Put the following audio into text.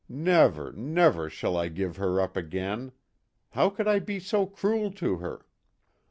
Never, never, shall I give her up again ; how could I be so cruel to her!"